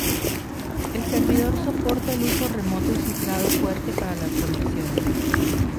El servidor soporta el uso remoto y cifrado fuerte para las conexiones.